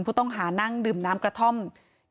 ผู้ต้องหานั่งดื่มน้ำกระท่อม